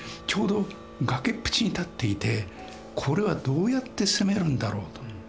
ちょうど崖っぷちに建っていてこれはどうやって攻めるんだろうと。